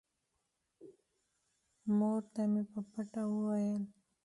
مور ته مې په پټه وويل.